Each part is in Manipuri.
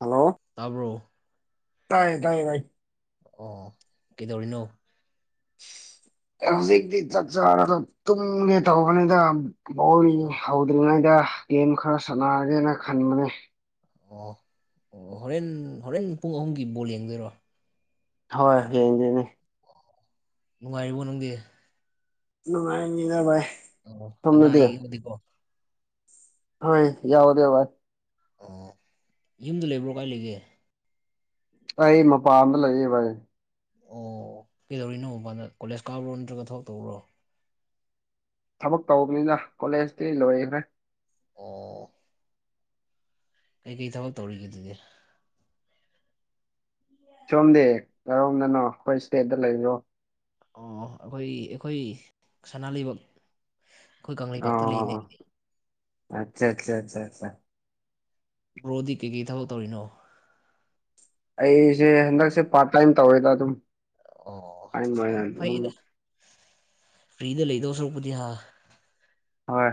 ꯍꯜꯂꯣ ꯇꯥꯕ꯭ꯔꯣ ꯇꯥꯏꯌꯦ ꯇꯥꯏꯌꯦ ꯚꯥꯏ ꯑꯣ ꯀꯩꯗꯧꯔꯤꯅꯣ ꯍꯧꯖꯤꯛꯗꯤ ꯆꯥꯛꯆꯥꯔꯒ ꯇꯨꯝꯒꯦ ꯇꯧꯕꯅꯦꯗ ꯕꯣꯜ ꯌꯦꯡꯍꯧ [unintelligible] ꯉꯩꯗ ꯒꯦꯝ ꯈꯔ ꯁꯥꯟꯅꯒꯦꯅ ꯈꯟꯕꯅꯦ ꯑꯣ ꯑꯣ ꯍꯣꯔꯦꯟ ꯍꯣꯔꯦꯟ ꯄꯨꯡ ꯑꯍꯨꯝꯒꯤ ꯕꯣꯜ ꯌꯦꯡꯗꯣꯏꯔꯣ ꯍꯣꯏ ꯌꯦꯡꯗꯣꯏꯅꯦ ꯅꯨꯡꯉꯥꯏꯔꯤꯕ ꯅꯪꯗꯤ ꯅꯨꯡꯉꯥꯏꯅꯤꯗ ꯚꯥꯏ ꯑꯣ ꯑꯅꯥ ꯁꯣꯝꯗꯗꯤ ꯑꯌꯦꯛ ꯌꯥꯎꯗꯤꯀꯣ ꯍꯣꯏ ꯌꯥꯎꯗꯦ ꯚꯥꯏ ꯑꯣ ꯌꯨꯝꯗ ꯂꯩꯕ꯭ꯔꯣ ꯀꯥꯏ ꯂꯩꯒꯦ ꯑꯩ ꯃꯄꯥꯟꯗ ꯂꯩꯌꯦ ꯚꯥꯏ ꯑꯣ ꯀꯩꯗꯧꯔꯤꯅꯣ ꯃꯄꯥꯟꯗ ꯀꯣꯂꯦꯖ ꯀꯥꯕ꯭ꯔꯣ ꯅꯠꯇ꯭ꯔꯒ ꯊꯕꯛ ꯇꯧꯕꯔꯣ ꯊꯕꯛ ꯇꯧꯕꯅꯤꯗ ꯀꯣꯂꯦꯖꯇꯤ ꯂꯣꯏꯈ꯭ꯔꯦ ꯑꯣ ꯀꯩꯀꯩ ꯊꯕꯛ ꯇꯧꯔꯤꯒꯦ ꯑꯗꯨꯗꯤ ꯁꯣꯝꯗꯤ ꯀꯔꯣꯝꯗꯅꯣ ꯑꯩꯈꯣꯏ ꯏꯁꯇꯦꯠꯇ ꯂꯩꯕ꯭ꯔꯣ ꯑꯣ ꯑꯩꯈꯣꯏ ꯑꯩꯈꯣꯏ ꯁꯅꯥ ꯂꯩꯕꯥꯛ ꯑꯩꯈꯣꯏ ꯀꯪꯂꯩꯄꯥꯛꯇ ꯂꯩꯅꯦ ꯑꯣ ꯑꯆꯥ ꯑꯆꯥ ꯆꯥꯆꯥ ꯕ꯭ꯔꯣꯗꯤ ꯀꯩꯀꯩ ꯊꯕꯛ ꯇꯧꯔꯤꯅꯣ ꯑꯩꯁꯦ ꯍꯟꯗꯛꯁꯦ ꯄꯥꯔꯠ ꯇꯥꯏꯝ ꯇꯧꯋꯦꯗ ꯑꯗꯨꯝ ꯑꯣ ꯇꯥꯏꯝ ꯑꯣꯏꯅ [unintelligible] ꯑꯗꯨꯝ ꯐꯩꯗ ꯐ꯭ꯔꯤꯗ ꯂꯩꯗꯧ ꯁꯔꯨꯛꯄꯨꯗꯤ ꯍꯥ ꯍꯣꯏ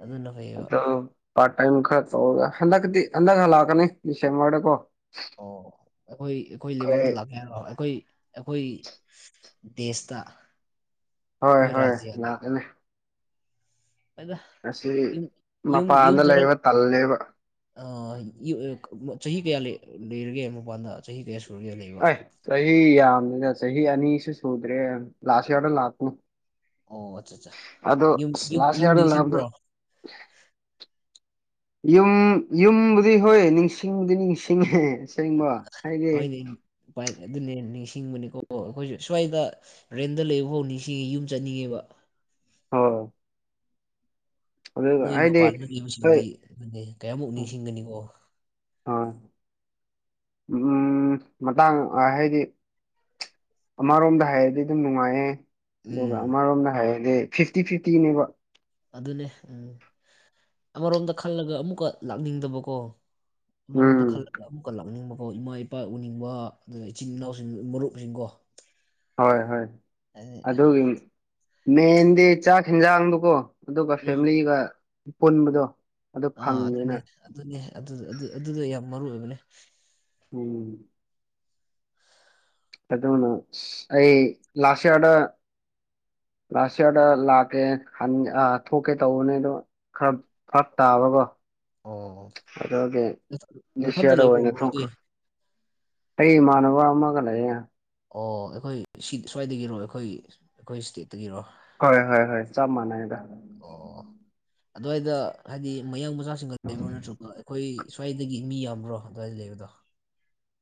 ꯑꯗꯨꯅ ꯐꯩꯌꯦꯕ ꯑꯗꯨꯣ ꯄꯥꯔꯠ ꯇꯥꯏꯝ ꯈꯔ ꯇꯧꯔꯒ ꯍꯟꯗꯛꯇꯤ ꯍꯟꯗꯛ ꯍꯂꯥꯛꯀꯅꯤ ꯗꯤꯁꯦꯝꯕꯔ ꯗꯀꯣ ꯑꯣ ꯑꯩꯈꯣꯏ ꯑꯩꯈꯣꯏ ꯂꯩꯕꯥꯛꯇ ꯂꯥꯛ ꯍꯥꯏꯔꯣ ꯑꯩꯈꯣꯏ ꯑꯩꯈꯣꯏ ꯗꯦꯁꯇ ꯍꯣꯏ ꯑꯩꯈꯣꯏ ꯍꯣꯏ ꯔꯥꯖꯤꯌꯥꯗ ꯂꯥꯛꯀꯅꯤ ꯑꯁꯤ [unintelligible] ꯌꯨꯝ ꯃꯄꯥꯟꯗ ꯌꯨꯝꯊꯣꯔꯛ ꯂꯩꯕ ꯇꯜꯂꯦꯕ ꯆꯍꯤ ꯀꯌꯥ ꯂꯩꯔꯒꯦ ꯃꯄꯥꯟꯗ ꯆꯍꯤ ꯀꯌꯥ ꯁꯨꯔꯒꯦ ꯂꯩꯕ ꯑꯩ ꯆꯍꯤ ꯌꯥꯝꯅꯤꯅ ꯆꯍꯤ ꯑꯅꯤꯁꯨ ꯁꯨꯗ꯭ꯔꯦ ꯂꯥꯁ ꯌꯔꯗ ꯂꯥꯛꯄꯅꯣ ꯑꯣ ꯑꯠꯆꯥ ꯑꯠꯆꯥ ꯑꯗꯣ ꯌꯨꯝ ꯌꯨꯝ ꯂꯥꯁ ꯌꯨꯝ ꯌꯥ ꯂꯗ ꯅꯤꯡꯁꯤꯡꯕ꯭ꯔꯣ ꯌꯨꯝ ꯌꯨꯝꯕꯨꯗꯤ ꯍꯣꯏ ꯅꯤꯡꯁꯤꯡꯕꯨꯗꯤ ꯅꯤꯡꯁꯤꯡꯉꯦ ꯁꯦꯡꯕ ꯍꯥꯏꯒꯦ ꯍꯣꯏꯅꯦ ꯎꯄꯥꯏ ꯑꯗꯨꯅꯦ ꯅꯤꯡꯁꯤꯡꯕꯅꯤꯀꯣ ꯑꯩꯈꯣꯏꯁꯨ ꯁ꯭ꯋꯥꯏꯗ ꯔꯦꯟꯗ ꯂꯩꯕ ꯍꯧꯅꯤꯡꯁꯤꯡ ꯌꯨꯝ ꯆꯠꯅꯤꯡꯉꯦꯕ ꯍ ꯅꯣꯏ ꯍꯥꯏꯗꯤ ꯃꯄꯥꯟꯗ ꯍꯣꯏ ꯂꯩꯕꯁꯤꯡꯗꯤ ꯑꯗꯨꯅꯦ ꯀꯌꯥꯃꯨꯛ ꯅꯤꯡꯁꯤꯡꯒꯅꯤꯀꯣ ꯍꯣꯏ ꯃꯇꯥꯡ ꯍꯥꯏꯗꯤ ꯑꯃꯔꯣꯝꯗ ꯍꯥꯏꯔꯗꯤ ꯑꯗꯨꯝ ꯅꯨꯡꯉꯥꯏꯌꯦ ꯑꯗꯨꯒ ꯎꯝ ꯑꯃꯔꯣꯝꯗ ꯍꯥꯏꯔꯗꯤ ꯐꯤꯐꯇꯤ ꯐꯤꯐꯇꯤꯅꯦꯕ ꯑꯗꯨꯅꯦ ꯎꯝ ꯑꯃꯔꯣꯝꯗ ꯈꯜꯂꯒ ꯑꯃꯨꯛꯀ ꯂꯥꯛꯅꯤꯡꯗꯕꯀꯣ ꯎꯝ ꯑꯃꯔꯣꯝꯗ ꯈꯜꯂ ꯑꯃꯨꯛꯀ ꯂꯥꯛꯅꯤꯡꯕꯀꯣ ꯏꯃꯥ ꯏꯄꯥ ꯎꯅꯤꯡꯕ ꯑꯗꯨꯒ ꯏꯆꯤꯟ ꯏꯅꯥꯎꯁꯤꯡ ꯃꯔꯨꯞꯁꯤꯡꯀꯣ ꯍꯣꯏ ꯍꯣꯏ ꯑꯥ ꯑꯗꯨꯒꯤ ꯃꯦꯟꯗꯤ ꯆꯥꯛ ꯍꯟꯖꯥꯡꯗꯨꯀꯣ ꯑꯗꯨꯒ ꯐꯦꯃꯤꯂꯤꯒ ꯄꯨꯟꯕꯗꯣ ꯑꯗꯨ ꯑꯥ ꯑꯗꯨꯅꯦ ꯐꯪꯗꯦꯅ ꯑꯗꯨꯅꯦ ꯑꯗꯨꯗ ꯌꯥꯝ ꯃꯔꯨ ꯑꯣꯏꯕꯅꯦ ꯎꯝ ꯇꯗ ꯍꯅ ꯑꯩ ꯂꯁꯌꯥꯗ ꯂꯥꯁ ꯏꯌꯥꯔꯗ ꯂꯥꯛꯀꯦ ꯊꯣꯛꯀꯦ ꯇꯧꯕꯅꯦ ꯑꯗꯣ ꯈꯔ ꯐꯔꯛ ꯇꯥꯕꯀꯣ ꯑꯣ ꯅꯊꯟ- ꯅꯊꯟꯇ ꯑꯗꯁꯤꯌꯥꯔ ꯂꯩꯕ꯭ꯔꯣ ꯑꯣꯏ ꯊ ꯕ꯭ꯔꯣꯗꯤ ꯑꯩ ꯏꯃꯥꯟꯅꯕ ꯑꯃꯒ ꯂꯩꯌꯦ ꯑꯣ ꯑꯩꯈꯣꯏ ꯁꯤ ꯁ꯭ꯋꯥꯏꯗꯒꯤꯔꯣ ꯑꯩꯈꯣꯏ ꯑꯩꯈꯣꯏ ꯁ꯭ꯇꯦꯠꯇꯒꯤꯔꯣ ꯍꯣꯏ ꯍꯣꯏ ꯍꯣꯏ ꯆꯥ ꯃꯅꯥꯏꯔ ꯑꯣ ꯑꯗꯨꯋꯥꯏꯗ ꯍꯥꯏꯗꯤ ꯃꯌꯥꯡ ꯃꯆꯥꯁꯤꯡꯒ ꯂꯩꯕ꯭ꯔꯥ ꯅꯠꯇ꯭ꯔꯒ ꯑꯩꯈꯣꯏ ꯁ꯭ꯋꯥꯏꯗꯒꯤ ꯃꯤ ꯌꯥꯝꯕ꯭ꯔꯣ ꯑꯗꯨꯋꯥꯏꯗ ꯂꯩꯕꯗꯣ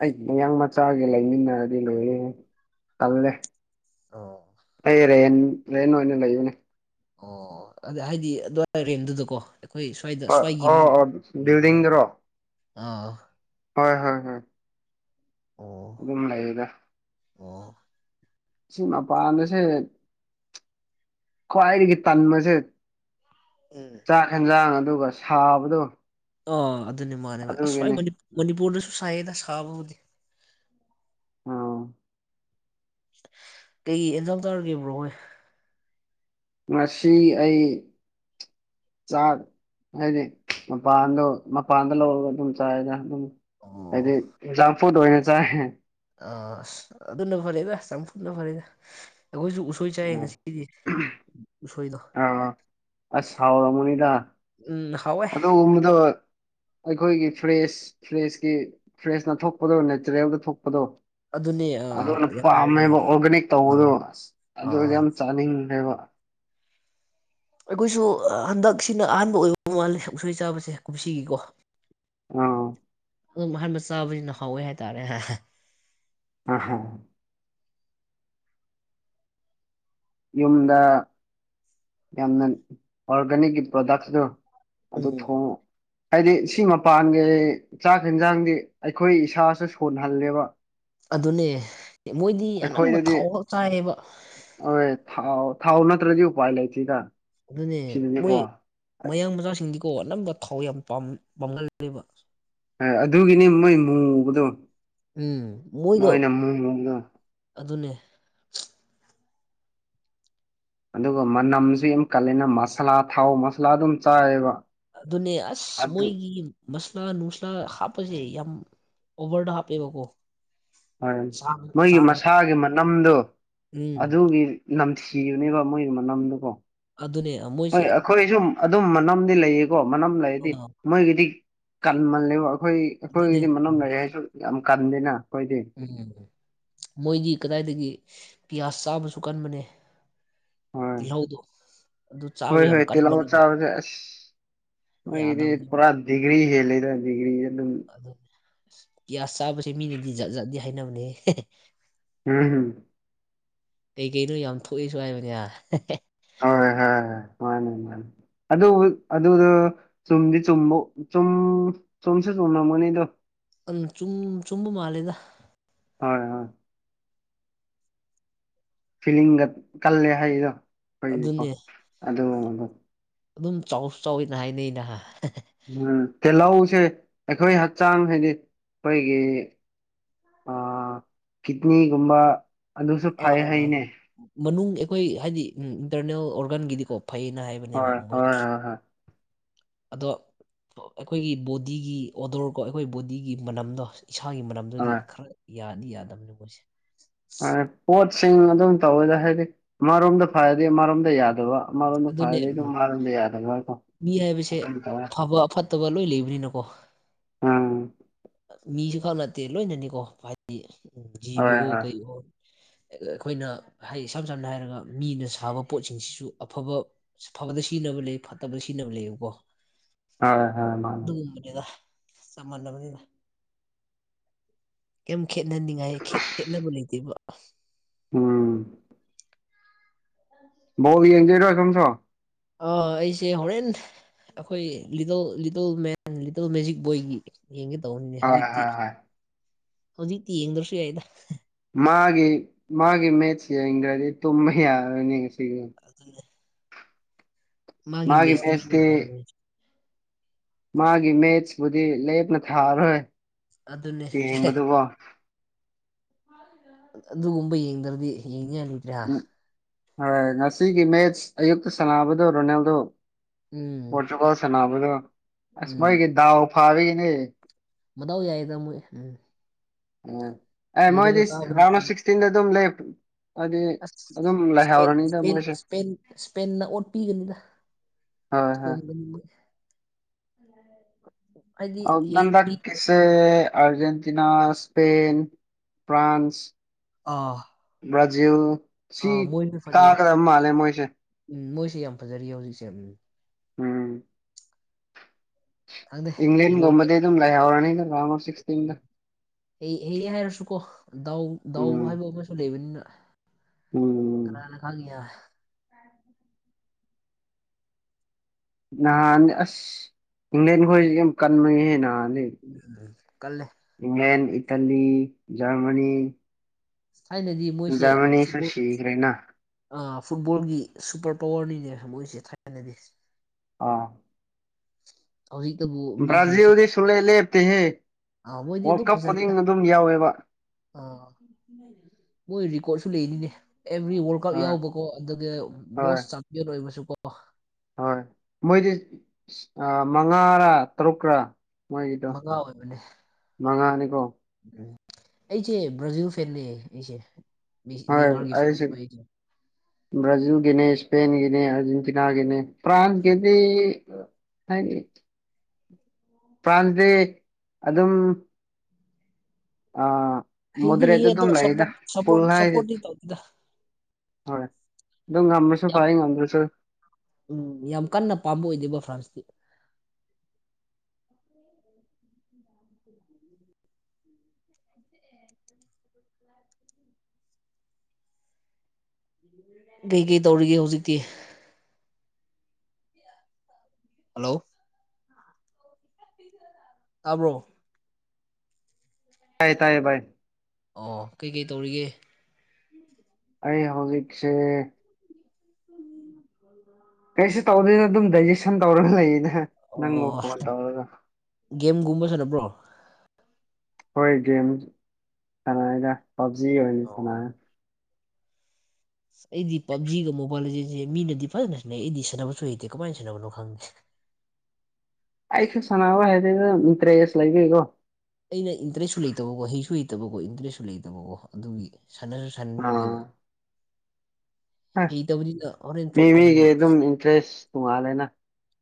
ꯑꯩ ꯃꯌꯥꯡ ꯃꯆꯥꯒꯤ ꯂꯩꯃꯤꯟꯅꯔꯗꯤ ꯂꯣꯏ ꯀꯜꯂꯦ ꯑꯣ ꯑꯩ ꯔꯦꯟ ꯔꯦꯟ ꯑꯣꯏꯅ ꯂꯩꯕꯅꯦ ꯑꯣ ꯑꯗ ꯍꯥꯏꯗꯤ ꯑꯗꯨꯋꯥꯏ ꯔꯦꯟꯗꯨꯗꯀꯣ ꯑꯩꯈꯣꯏ ꯁ꯭ꯋꯥꯏꯗ ꯍꯣꯏ ꯁ꯭ꯋꯥꯏꯒꯤ ꯃꯤ ꯑꯣ ꯑꯣ ꯂꯩꯕ꯭ꯔꯥ ꯕꯤꯜꯗꯤꯡꯗꯔꯣ ꯑꯥ ꯍꯣꯏ ꯍꯣꯏ ꯍꯣꯏ ꯑꯣ ꯑꯗꯨꯝ ꯂꯩꯗ ꯑꯣ ꯁꯤ ꯃꯄꯥꯟꯗꯁꯦ ꯈꯋꯥꯏꯔꯤꯒꯤ ꯇꯥꯟ ꯃꯁꯦ ꯎꯝ ꯆꯥꯛ ꯌꯦꯟꯖꯥꯡ ꯑꯗꯨꯒ ꯁꯥꯕꯗꯣ ꯑꯥ ꯑꯗꯨꯅꯦ ꯃꯥꯅꯦ ꯃꯥꯅꯦ ꯑꯗꯨꯒꯤꯅꯤ ꯑꯁꯋꯥ ꯃꯅꯤꯄꯨꯔꯗꯁꯨ ꯁꯥꯏꯌꯦꯗ ꯁꯥꯕꯕꯨꯗꯤ ꯑꯣ ꯀꯩ ꯑꯦꯟꯖꯥꯡ ꯇꯥꯔꯒꯦꯕ꯭ꯔꯣ ꯍꯣꯏ ꯉꯁꯤ ꯑꯩ ꯆꯥꯛ ꯍꯥꯏꯗꯤ ꯃꯄꯥꯟꯗꯣ ꯃꯄꯥꯟꯗ ꯂꯧꯔꯒ ꯑꯗꯨꯝ ꯆꯥꯏꯒ ꯑꯗꯨꯝ ꯍꯥꯏꯗꯤ ꯑꯣ ꯖꯝꯐꯨꯗ ꯑꯣꯏꯅ ꯆꯥꯏ ꯑ ꯑꯁ ꯑꯗꯨꯅ ꯐꯔꯦꯗ ꯆꯝꯐꯨꯅ ꯐꯔꯦꯗ ꯑꯩꯈꯣꯏꯁꯨ ꯁꯁꯣꯏ ꯆꯥꯏꯌꯦ ꯉꯁꯤꯗꯤ ꯎꯁꯣꯏꯗꯣ ꯑ ꯁꯥꯎꯔꯃꯅꯤꯗ ꯎꯝ ꯍꯥꯎꯋꯦ ꯑꯗꯣ ꯃꯗꯨ ꯑꯩꯈꯣꯏꯒꯤ ꯐ꯭ꯔꯦꯁ ꯐ꯭ꯔꯦꯁꯀꯤ ꯐ꯭ꯔꯦꯁꯅ ꯊꯣꯛꯄꯗꯣ ꯅꯦꯆꯔꯦꯜꯗ ꯊꯣꯛꯄꯗꯣ ꯑꯗꯨꯅꯦ ꯑꯗꯨꯅ ꯑꯥ ꯌꯥꯝ ꯍꯥꯎꯕꯅꯦ ꯄꯥꯝꯃꯦꯕ ꯑꯗꯣ ꯑꯣꯔꯒꯥꯅꯤꯛ ꯇꯧꯕꯗꯣ ꯑꯥ ꯑ ꯑꯗꯨ ꯑꯥ ꯌꯥꯝ ꯆꯥꯅꯤꯡꯈ꯭ꯔꯦꯕ ꯑꯩꯈꯣꯏꯁꯨ ꯍꯟꯗꯛꯁꯤꯅ ꯑꯍꯥꯟꯕ ꯑꯣꯏꯕ ꯃꯥꯜꯂꯦ ꯁꯨꯡꯁꯣꯏ ꯆꯥꯕꯁꯦ ꯀꯨꯝꯁꯤꯒꯤꯀꯣ ꯑꯥ ꯑꯗꯨꯝ ꯑꯍꯥꯟꯕ ꯆꯥꯕꯁꯤꯅ ꯍꯥꯎꯋꯦ ꯍꯥꯏꯇꯥꯔꯦ ꯑꯥ ꯍꯥ ꯌꯨꯝꯗ ꯌꯥꯝꯅ ꯑꯣꯔꯒꯥꯅꯤꯛꯀꯤ ꯄ꯭ꯔꯗꯛꯁꯇ ꯑꯗꯣ ꯎꯝ ꯊꯣꯡ ꯍꯥꯏꯗꯤ ꯁꯤ ꯃꯄꯥꯟꯒꯤ ꯆꯥꯛ ꯌꯦꯟꯖꯥꯡꯗꯤ ꯑꯩꯈꯣꯏ ꯏꯁꯥꯁꯨ ꯁꯣꯟꯍꯜꯂꯦꯕ ꯑꯗꯨꯅꯦ ꯃꯣꯏꯗꯤ ꯑꯅꯝꯕ ꯊꯥꯎ ꯆꯥꯏꯌꯦꯕ ꯑꯣꯏ ꯊꯥꯎ ꯊꯥꯎ ꯅꯠꯇ꯭ꯔꯗꯤ ꯎꯄꯥꯥꯏ ꯂꯩꯁꯤꯒ ꯑꯗꯨꯅꯦ ꯃꯣꯏ ꯃꯌꯥꯡ ꯃꯆꯥꯁꯤꯡꯗꯤꯀꯣ ꯑꯅꯝꯕ ꯊꯥꯎ ꯌꯥꯝꯝ ꯄꯥꯝꯍꯜꯂꯅꯦꯕ ꯑꯗꯨꯒꯤꯅꯤ ꯃꯣꯏ ꯃꯨꯕꯗꯣ ꯎꯝ ꯃꯣꯏꯅ ꯃꯣꯏꯗꯣ ꯃꯨ ꯃꯨꯕꯗꯣ ꯑꯗꯨꯅꯦ ꯑꯗꯨꯒ ꯃꯅꯝꯁꯤ ꯌꯥꯝ ꯀꯂꯦꯅ ꯃꯁꯥꯂꯥ ꯊꯥꯎ ꯃꯁꯥꯂꯥ ꯑꯗꯨꯝ ꯆꯥꯏꯌꯦꯕ ꯑꯗꯨꯅꯦ ꯑꯁ ꯑꯗꯨ ꯃꯣꯏꯒꯤ ꯃꯁꯂꯥ ꯅꯨꯡꯁꯂꯥ ꯍꯥꯞꯄꯁꯦ ꯌꯥꯝ ꯑꯣꯚꯔꯗ ꯍꯥꯞꯄꯦꯕꯀꯣ ꯍꯣꯏ ꯆꯥꯡ ꯅꯣꯏꯒꯤ ꯆꯥꯡ ꯃꯁꯥꯒꯤ ꯃꯅꯝꯗꯣ ꯎꯝ ꯑꯗꯨꯒꯤ ꯅꯝꯊꯤꯕꯅꯦꯕ ꯃꯣꯏꯒꯤ ꯃꯅꯝꯗꯨꯀꯣ ꯑꯗꯨꯅꯦ ꯃꯣꯏꯁꯦ ꯑꯩꯈꯣꯏ ꯁꯨꯝ ꯑꯗꯨꯝ ꯃꯅꯝꯗꯤ ꯂꯩꯌꯦꯀꯣ ꯃꯅꯝ ꯂꯩꯔꯗꯤ ꯑꯥ ꯃꯣꯏꯒꯤꯗꯤ ꯀꯟꯃꯜꯂꯦꯕ ꯑꯩꯈꯣꯏ ꯑꯗꯨꯅꯦ ꯑꯩꯈꯣꯏꯒꯤꯗꯤ ꯃꯅꯝ ꯂꯩꯌꯦ ꯍꯥꯏꯁꯨ ꯌꯥꯝ ꯀꯟꯗꯦꯅ ꯑꯩꯈꯣꯏꯗꯤ ꯎꯝ ꯃꯣꯏꯒꯤ ꯀꯗꯥꯏꯗꯒꯤ ꯄꯤꯌꯥꯖ ꯆꯥꯕꯁꯨ ꯀꯟꯕꯅꯦ ꯍꯣꯏ ꯇꯤꯜꯍꯧꯗꯣ ꯑꯗꯨ ꯆꯥꯕ ꯍꯣꯏ ꯌꯥꯝ ꯍꯣꯏ ꯇꯤꯜꯍꯧ ꯀꯟꯕꯅꯦꯕ ꯆꯥꯕꯁꯦ ꯑꯁ ꯃꯣꯏꯒꯤꯗꯤ ꯌꯥꯗꯕꯅꯤꯕ ꯄꯨꯔꯥ ꯗꯤꯒ꯭ꯔꯤ ꯍꯦꯜꯂꯦꯗ ꯗꯤꯒ꯭ꯔꯤ ꯑꯗꯨꯝ ꯒ꯭ꯌꯥꯁ ꯆꯥꯕꯁꯦ ꯃꯤꯅꯗꯤ ꯖꯠ ꯖꯥꯠꯗꯤ ꯍꯥꯏꯅꯕꯅꯦ ꯎꯝ ꯍꯨꯝ ꯀꯩ ꯀꯩꯅꯣ ꯌꯥꯝ ꯊꯣꯛꯏꯁꯨ ꯍꯥꯏꯕꯅꯦ ꯍꯣꯏ ꯍꯣꯏ ꯃꯥꯅꯦ ꯃꯥꯅꯦ ꯑꯗꯨ ꯑꯗꯣ ꯆꯨꯝꯗꯤ ꯆꯨꯝꯕꯧ ꯆꯨꯝ ꯆꯨꯝꯁꯨ ꯆꯨꯝꯅꯝꯒꯅꯤꯗꯣ ꯎꯝ ꯆꯨꯝ ꯆꯨꯝꯕ ꯃꯥꯜꯂꯦꯗ ꯍꯣꯏ ꯍꯣꯏ ꯐꯤꯂꯤꯡꯒ ꯀꯜꯂꯦ ꯍꯥꯏꯗꯣ ꯑꯩꯈꯣꯏꯒꯤꯀꯣ ꯑꯗꯨꯅꯦ ꯑꯗꯨꯒꯨꯝꯕꯗꯣ ꯑꯗꯨꯝ ꯆꯥꯎꯁꯨ ꯆꯥꯎꯋꯦꯅ ꯍꯥꯏꯅꯩꯅ ꯎꯝ ꯇꯤꯜꯍꯧꯁꯦ ꯑꯩꯈꯣꯏ ꯍꯛꯆꯥꯡ ꯍꯥꯏꯗꯤ ꯑꯩꯈꯣꯏꯒꯤ ꯑꯥ ꯀꯤꯠꯅꯤꯒꯨꯝꯕ ꯑꯗꯨꯁꯨ ꯑꯥ ꯐꯩ ꯑꯥ ꯍꯥꯏꯅꯦ ꯃꯅꯨꯡ ꯑꯩꯈꯣꯏ ꯍꯥꯏꯗꯤ ꯏꯟꯇꯔꯅꯦꯜ ꯑꯣꯔꯒꯥꯟꯒꯤꯗꯤꯀꯣ ꯐꯩꯅ ꯍꯥꯏꯕ ꯍꯣꯏ ꯍꯣꯏ ꯍꯣꯏ ꯍꯣꯏ ꯑꯗꯣ ꯑꯩꯈꯣꯏꯒꯤ ꯕꯣꯗꯤꯒꯤ ꯑꯣꯗꯣꯔ ꯀꯣ ꯑꯩꯈꯣꯏ ꯕꯣꯗꯤꯒꯤ ꯃꯅꯝꯗꯣ ꯏꯁꯥꯒꯤ ꯃꯔꯝꯗꯗꯤ ꯍꯣꯏ ꯈꯔ ꯌꯥꯗꯤ ꯌꯥꯗꯕꯅꯤ ꯃꯣꯏꯁꯦ ꯍꯣꯏ ꯄꯣꯠꯁꯤꯡ ꯑꯗꯨꯝ ꯇꯧꯋꯦꯗ ꯍꯥꯏꯗꯤ ꯑꯃꯔꯣꯝꯗ ꯐꯔꯗꯤ ꯑꯃꯔꯣꯝꯗ ꯌꯥꯗꯕ ꯑꯃꯔꯣꯝꯗ ꯑꯗꯨꯅꯦ ꯐꯔꯥꯗꯤ ꯎꯝ, ꯃꯔꯣꯝꯅ ꯌꯥꯗ ꯍꯥꯏꯕꯔ ꯃꯤ ꯍꯥꯏꯕꯁꯦ ꯐꯕ ꯑ ꯐꯠꯇꯕ ꯂꯣꯏ ꯂꯩꯕꯅꯤꯅꯀꯣ ꯎꯝ ꯃꯤꯁꯨ ꯈꯛ ꯅꯠꯇꯦ ꯂꯣꯏꯅꯅꯤꯀꯣ ꯍꯥꯏꯗꯤ ꯖꯤꯕ ꯍꯣꯏ ꯑꯣ ꯍꯣꯏ ꯀꯩ ꯑꯣ ꯑꯩꯈꯣꯏꯅ ꯍꯥꯏ ꯏꯁꯝ ꯁꯝꯅ ꯍꯥꯏꯔꯒ ꯃꯤꯅ ꯁꯥꯕ ꯄꯣꯠꯁꯤꯡꯁꯤꯁꯨ ꯑꯐꯕ ꯐꯕꯗ ꯁꯤꯖꯤꯟꯅꯕ ꯂꯩ ꯐꯠꯇꯕꯗ ꯁꯤꯖꯤꯟꯅꯕ ꯂꯩꯕꯀꯣ ꯍꯣꯏ ꯍꯣꯏ ꯃꯥꯅꯦ ꯑꯗꯨꯒꯨꯝꯕꯅꯤꯗ ꯁꯃꯅ ꯑꯣꯏꯕ [inaudible] ꯀꯩꯝ ꯈꯦꯠꯅꯅꯤꯡꯉꯥꯏ ꯈꯦꯠꯅꯕ ꯂꯩꯇꯦꯕ ꯎꯝ ꯎꯝ [unintelligible] ꯕꯣꯜ ꯌꯦꯡꯗꯣꯏꯔꯥ ꯁꯣꯝꯁꯣ ꯑ ꯑꯩꯁꯦ ꯍꯣꯔꯦꯟ ꯑꯩꯈꯣꯏ ꯂꯤꯇꯜ ꯂꯤꯇꯜ ꯃꯦꯟ ꯂꯤꯇꯜ ꯃꯦꯖꯤꯛ ꯕꯣꯏꯒꯤ ꯌꯦꯡꯒꯦ ꯇꯧꯕꯅꯤꯅꯦ ꯍꯣꯏ ꯍꯧꯖꯤꯛꯇꯤ ꯍꯣꯏ ꯍꯣꯏ ꯍꯧꯖꯤꯛꯇꯤ ꯌꯦꯡꯗ꯭ꯔꯁꯨ ꯌꯥꯏꯗ ꯃꯥꯒꯤ ꯃꯥꯒꯤ ꯃꯠꯆ ꯌꯦꯡꯗꯔꯥꯗꯤ ꯇꯨꯝꯕ ꯌꯥꯅꯤ ꯁꯤ [unintelligible] ꯃꯥꯒꯤ ꯃꯦꯁꯅꯤ ꯃꯤ ꯍꯥꯏ ꯃꯥꯒꯤ ꯃꯦꯠꯁꯄꯨꯗꯤ ꯂꯦꯞꯅ ꯊꯥꯔꯣꯏ ꯑꯗꯨꯅꯦ ꯑꯗꯨꯒꯨꯝꯕ ꯌꯦꯡꯗ꯭ꯔꯗꯤ ꯌꯦꯡꯉ ꯎꯝ ꯍꯣꯏ ꯉꯁꯤꯒꯤ ꯃꯦꯠꯁ ꯑꯌꯨꯛꯇ ꯁꯥꯅꯕꯥꯗꯣ ꯔꯣꯅꯥꯜꯗꯣ ꯎꯝ ꯄꯣꯔꯇꯨꯒꯜ ꯁꯅꯕꯗꯣ ꯑꯁ ꯎꯝ ꯃꯣꯏꯒꯤ ꯗꯥꯎ ꯐꯥꯕꯤꯒꯤꯅꯦ ꯃꯗꯥꯎ ꯌꯥꯏꯗ ꯃꯣꯏ ꯎꯝ ꯑꯦ ꯍꯩꯔꯒ ꯃꯣꯏꯗꯤ ꯀꯥꯕ ꯔꯥꯎꯟ ꯑꯣꯐ ꯅꯠꯇꯦꯕ ꯁꯤꯛꯁꯇꯤꯟꯗ ꯑꯗꯨꯝ ꯂ ꯑꯁ ꯃꯣꯏꯁꯦ ꯏꯁꯄꯦꯟꯅ ꯑꯣꯠ ꯄꯤꯒꯅꯤꯗ ꯍꯣꯏ ꯍꯣꯏ [unintelligible] ꯑ ꯍꯩ ꯍꯟꯗꯛ ꯍꯩ ꯀꯤꯁꯦ ꯑꯔꯖꯦꯟꯇꯤꯅꯥ ꯁꯄꯦꯟ ꯐ꯭ꯔꯥꯟꯁ ꯑꯥ ꯕ꯭ꯔꯥꯖꯤꯜ ꯁꯤ ꯑꯥ ꯃꯣꯏꯁꯨ ꯐꯖꯩꯌꯦ ꯀꯥꯀꯗꯕ ꯃꯥꯜꯂꯦ ꯃꯣꯏꯁꯦ ꯎꯝ ꯃꯣꯏꯁꯦ ꯌꯥꯝ ꯐꯖꯔꯤ ꯍꯧꯖꯤꯛꯁꯦ ꯎꯝ ꯈꯪꯗꯦ ꯏꯪꯂꯦꯟꯒꯕꯗꯇꯩ ꯑꯗꯨꯝ ꯂꯩꯑ ꯌꯥꯔꯅ ꯎ ꯍ ꯍ ꯍꯥꯏꯔꯁꯨꯀꯣ ꯗꯥꯎ ꯗꯥꯎ ꯎꯝ ꯍꯥꯏꯕ ꯑꯃꯁꯨ ꯂꯩꯕꯅꯤꯅ ꯎꯝ ꯀꯥꯅꯔ ꯈꯥꯒ ꯅꯍꯥꯟꯅꯤ ꯑꯁ ꯏꯪꯂꯦꯟ ꯈꯣꯏꯁꯤ ꯌꯥꯝ ꯀꯟꯕꯒꯤꯍꯦ ꯅꯍꯥꯟꯅꯤ ꯀꯜꯂꯦ ꯏꯪꯂꯦꯟ ꯏꯇꯥꯂꯤ ꯖꯔꯃꯅꯤ ꯊꯥꯏꯅꯗꯤ ꯃꯣꯏꯁꯦ ꯖꯔꯃꯅꯤꯁꯨ ꯐꯨꯠꯕꯣꯜ ꯁꯤꯈ꯭ꯔꯦꯅ ꯐꯨꯠꯕꯣꯜꯒꯤ ꯁꯨꯄꯔ ꯄꯋꯥꯔꯅꯤꯅꯦ ꯃꯣꯏꯁꯦ ꯊꯥꯏꯅꯗꯤ ꯑꯥ ꯍꯧꯖꯤꯛꯇꯕꯨ ꯃꯤꯁꯤꯡꯁꯤ ꯕ꯭ꯔꯥꯖꯤꯜꯗꯤ ꯁꯨꯡꯂꯦꯞ ꯂꯦꯞꯇꯦꯍꯦ ꯑꯥ ꯃꯣꯏꯗꯤ ꯋꯥꯔꯜ ꯑꯗꯨꯝ ꯀꯞ ꯈꯨꯗꯤꯡ ꯐꯖꯔꯒ ꯑꯗꯨꯝ ꯌꯥꯎꯋꯦꯕ ꯑꯥ ꯃꯣꯏ ꯦꯀꯣꯔꯠꯁꯨ ꯂꯩꯅꯤꯅꯦ ꯑꯦꯚ꯭ꯔꯤ ꯋꯥꯔ ꯀꯞ ꯍꯣꯏ ꯌꯥꯎꯕꯀꯣ ꯑꯗꯨꯒ ꯍꯣꯏ ꯃꯣꯁ ꯆꯝꯄꯤꯌꯟ ꯑꯣꯏꯕꯁꯨ ꯀꯣ ꯍꯣꯏ ꯃꯣꯏꯗꯤ ꯃꯉꯥꯔꯥ ꯇꯔꯨꯛꯀꯔꯥ ꯃꯣꯏꯒꯤꯇꯣ ꯃꯉꯥ ꯑꯣꯏꯕꯅꯦ ꯃꯉꯥꯅꯤꯀꯣ ꯎꯝ ꯑꯩꯁꯦ ꯕ꯭ꯔꯥꯖꯤꯜ ꯐꯦꯅꯤ ꯑꯩꯁꯦ ꯍꯣꯏ ꯗꯤꯃꯥꯔꯒꯤ ꯐꯦꯟꯅꯤ ꯑꯩꯁꯨ ꯑꯩꯁꯦ ꯕ꯭ꯔꯥꯖꯤꯜꯒꯤꯅꯦ ꯏꯁꯄꯦꯟꯒꯤꯅꯦ ꯑꯥꯔꯖꯦꯟꯇꯤꯅꯥꯒꯤꯅꯦ ꯐꯄ꯭ꯔꯥꯟ ꯎꯝ. ꯀꯗꯤ ꯍꯥꯏ ꯐ꯭ꯔꯥꯟꯁꯗꯤ ꯑꯗꯨꯝ ꯑ ꯍꯩꯗꯤ ꯃꯗ꯭ꯔꯦꯇ ꯍꯩꯌꯦ ꯑꯗꯣ ꯑꯗꯨꯝꯝ ꯂꯦꯗ ꯁꯞꯄꯣꯔꯠ ꯁꯞꯄꯣꯔꯠ ꯄꯨꯜꯅ ꯍꯥꯏ ꯁꯞꯄꯣꯔꯠꯇꯤ ꯇꯧꯗꯦꯗ ꯍꯣꯏ ꯑꯗꯨ ꯉꯝꯔꯁꯣꯔ ꯐꯌꯦ ꯉꯝ꯭ꯔꯦꯁꯣꯔ ꯎꯝ ꯌꯥꯝ ꯀꯟꯅ ꯄꯥꯝꯕ ꯑꯣꯏꯗꯦꯕ ꯐ꯭ꯔꯥꯟꯁꯇꯤ [inaudible] [inaudible] ꯀꯩ ꯀꯩ ꯇꯧꯔꯤꯒꯦ ꯍꯧꯖꯤꯛꯇꯤ ꯍꯜꯂꯣ ꯇꯥꯕ꯭ꯔꯣ ꯇꯥꯏ ꯇꯥꯏꯌꯦ ꯚꯥꯏ ꯑꯣ ꯀꯩꯀꯩ ꯇꯧꯔꯤꯒꯦ ꯑꯩ ꯍꯧꯖꯤꯛꯁꯦ [inaudible] ꯀꯩꯁꯨ ꯇꯧꯗꯣꯏꯅꯣ ꯑꯗꯨꯝ ꯗꯥꯏꯖꯦꯁꯟ ꯇꯧꯔꯒ ꯂꯩꯅꯦ ꯅꯪꯕꯨ ꯑꯣ ꯐꯣꯟ ꯇꯧꯔꯒ ꯒꯦꯝꯒꯨꯝꯕ ꯁꯥꯟꯅꯕ꯭ꯔꯣ ꯍꯣꯏ ꯒꯦꯝ ꯁꯥꯟꯅꯔꯒ ꯄꯞꯖꯤ ꯑꯣꯏꯅ ꯁꯥꯟꯅꯔꯦ ꯑꯩꯗꯤ ꯄꯞꯖꯤꯒ ꯃꯣꯕꯥꯏꯜꯒ ꯆꯁꯦ ꯃꯤꯅꯗꯤ ꯐꯖꯅ ꯁꯤꯅꯩ ꯑꯩꯗꯤ ꯁꯥꯟꯅꯕꯁꯨ ꯍꯩꯇꯦ ꯀꯃꯥꯏꯅꯥꯟꯅꯕꯅꯣ ꯈꯪꯗꯦ ꯑꯩꯁꯦ ꯁꯅꯥꯕ ꯍꯥꯏꯦꯗꯤ ꯃꯤ ꯇꯔꯦꯖꯁ ꯂꯩꯕꯑꯩꯒꯣ ꯑꯩꯅ ꯏꯟꯇꯔꯦꯁꯁꯨ ꯂꯩꯇꯕꯀꯣ ꯍꯩꯁꯨ ꯍꯩꯇꯕꯀꯣ ꯏꯟꯇꯔꯦꯁꯁꯨ ꯂꯩꯇꯕꯀꯣ ꯑꯗꯨꯒꯤ ꯁꯥꯟꯅꯁꯨ ꯁꯥꯟꯅꯗꯦꯕ ꯑꯥ ꯍꯩꯇꯕꯅꯤꯅ ꯍꯣꯔꯦꯟ ꯃꯤ ꯃꯤꯒꯤ ꯆꯣꯛꯀꯅꯤꯕ ꯑꯗꯨꯝ ꯏꯟꯇꯔꯦꯁ ꯇꯣꯡꯉꯥꯜꯂꯦꯅ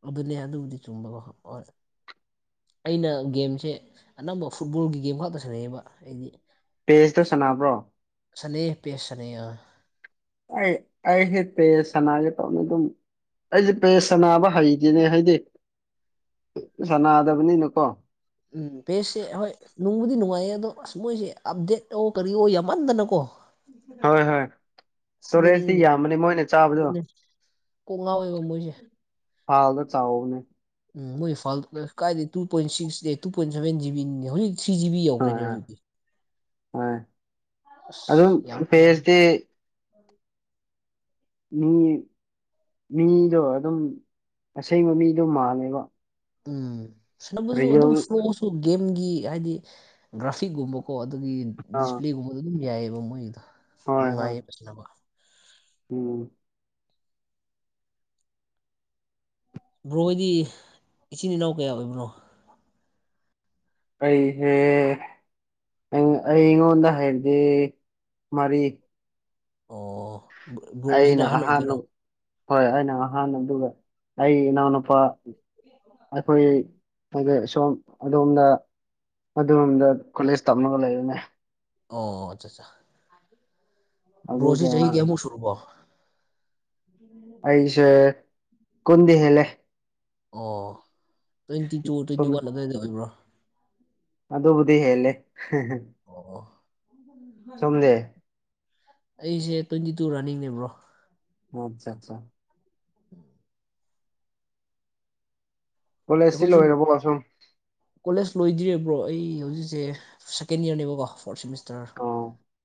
ꯑꯗꯨꯅꯦ ꯑꯗꯨꯕꯨꯗꯤ ꯆꯨꯝꯕꯀꯣ ꯑꯣ ꯑꯩꯅ ꯒꯦꯝꯁꯦ ꯑꯅꯝꯕ ꯐꯨꯠꯕꯣꯜꯒꯤ ꯒꯦꯝ ꯈꯛꯇ ꯁꯤꯟꯅꯩꯑꯌꯦꯕ ꯑꯩꯗꯤ ꯄꯦꯖꯇꯣ ꯁꯥꯟꯅꯕ꯭ꯔꯣ ꯁꯅꯦ ꯄꯦ ꯁꯅꯦꯌ ꯑꯩ ꯑꯩ ꯍꯦꯠꯇꯦ ꯁꯅꯥꯒꯦ ꯇꯧꯅꯤ ꯑꯗꯨꯝ ꯑꯩꯁꯦ ꯄꯦꯁ ꯁꯅꯥꯕ ꯍꯩꯗꯤꯅꯦ ꯍꯥꯏꯗꯤ ꯁꯅꯥꯗꯕꯅꯤꯅꯀꯣ ꯎꯝ ꯄꯦꯁꯦ ꯍꯣꯏ ꯅꯨꯡꯕꯨꯗꯤ ꯅꯨꯡꯉꯥꯏꯌꯦ ꯑꯗꯣ ꯑꯁ ꯃꯣꯏꯁꯦ ꯑꯞꯗꯦꯠ ꯇ ꯀꯔꯤ ꯌꯥꯝꯃꯟꯗꯅꯀꯣ ꯍꯣꯏ ꯍꯣꯏ ꯏꯁꯇꯣꯔꯦꯖꯇꯤ ꯁꯤꯗꯅꯤ ꯌꯥꯝꯕꯅꯦ ꯃꯣꯏꯅ ꯆꯥꯕꯗꯣ ꯑꯗꯨꯅꯤ ꯀꯣꯛ ꯉꯥꯎꯋꯦꯕ ꯃꯣꯏꯁꯦ ꯐꯥꯜꯗ ꯆꯥꯎꯕꯅꯦ ꯎꯝ ꯃꯣꯏ ꯐꯥꯜ ꯀꯥꯏꯗꯦ two point six two point seven ꯖꯤꯕꯤꯅꯤ ꯍꯧꯖꯤꯛ ꯊ꯭ꯔꯤ ꯖꯤꯕꯤ ꯍꯣꯏ ꯌꯧꯈ꯭ꯔꯦꯅꯦ ꯍꯣꯏ ꯍꯧꯖꯤꯛꯇꯤ ꯍꯣꯏ ꯑꯁ ꯑꯗꯨꯝ ꯌꯥꯝ ꯌꯥꯝ ꯄꯦꯁꯇꯤ ꯃꯤ ꯃꯤꯗꯣ ꯑꯗꯨꯝ ꯑꯁꯦꯡꯕ ꯃꯤꯗꯣ ꯃꯥꯜꯂꯦꯕ ꯎꯝ ꯁꯅꯕꯁꯨ ꯑꯗꯨꯝ ꯔꯤꯌꯦꯜ ꯐ꯭ꯂꯣꯁꯨ ꯒꯦꯝꯒꯤ ꯍꯥꯏꯗꯤ ꯒ꯭ꯔꯥꯐꯤꯛꯒꯨꯝꯕ ꯀꯣ ꯑꯗꯨꯒꯤ ꯑꯥ ꯗꯤꯁꯄ꯭ꯂꯦꯒꯨꯝꯕꯗꯣ ꯑꯗꯨꯝ ꯌꯥꯏꯑꯕ ꯃꯣꯏꯒꯤꯗꯣ ꯍꯣꯏ ꯍꯣꯏ ꯅꯨꯡꯉꯥꯏꯌꯦꯕꯁꯤꯅꯀ ꯎꯝ ꯕ꯭ꯔꯣꯣꯏꯗꯤ ꯏꯆꯤꯟ ꯏꯅꯥꯎ ꯀꯌꯥ ꯑꯣꯏꯕꯅꯣ ꯑꯩꯁꯦ ꯑꯩꯉꯣꯟꯗ ꯍꯥꯏꯔꯗꯤ ꯃꯔꯤ ꯑꯣ ꯕ꯭ꯔꯣꯁꯤ ꯑꯩꯅ ꯅꯍꯟ ꯑꯣꯏꯗꯔꯣ ꯑꯍꯥꯟꯕ ꯍꯣꯏ ꯑꯩꯅ ꯑꯍꯥꯟ ꯑꯗꯨꯒ ꯑꯩ ꯏꯅꯥꯎꯅꯨꯄꯥ ꯑꯩꯈꯣꯏ ꯍꯥꯏꯗꯤ ꯁꯣꯝ ꯑꯗꯣꯝꯗ ꯑꯣꯝꯗ ꯀꯣꯂꯦꯖ ꯇꯝꯃꯒ ꯂꯩꯔꯨꯅꯦ ꯑꯣ ꯑꯠꯆꯥ ꯑꯠ ꯕ꯭ꯔꯣꯁꯤ ꯑꯗꯨꯒ ꯆꯍꯤ ꯀꯌꯥꯃꯨꯛ ꯁꯨꯨꯔꯨꯕꯣ ꯑꯩꯁꯦ ꯀꯟꯗꯤꯍꯦꯂꯦ ꯑꯣ ꯇ꯭ꯋꯦꯟꯇꯤ ꯇꯨ ꯇ꯭ꯋꯦꯟꯇꯤ ꯁꯨꯝ ꯋꯥꯟ ꯑꯗꯨꯋꯥꯏꯗ ꯑꯣꯏꯕ꯭ꯔꯣ ꯑꯗꯣꯕꯨꯗꯤ ꯍꯦꯟꯂꯦ ꯑꯣ ꯑꯣ ꯑꯩꯁꯦ ꯇ꯭ꯋꯦꯟꯇꯤ ꯇꯨ ꯔꯥꯅꯤꯡꯅꯦꯕ꯭ꯔꯣ ꯃꯆꯥꯠꯆꯥ ꯀꯣꯂꯦꯖꯇꯤ ꯑꯩꯈꯣꯏꯁꯨ ꯂꯣꯏꯔꯕꯣ ꯁꯨꯝ ꯀꯣꯂꯦꯖ ꯂꯣꯏꯗ꯭ꯔꯤꯕ꯭ꯔꯣ ꯑꯩ ꯍꯧꯖꯤꯛꯁꯦ ꯁꯦꯀꯦꯟ ꯌꯔꯅꯦꯕꯀꯣ ꯐꯣꯔꯠ ꯁꯦꯃꯤꯁꯇꯔ ꯑꯣ